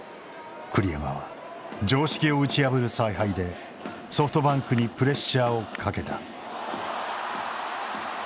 栗山は常識を打ち破る采配でソフトバンクにプレッシャーをかけた。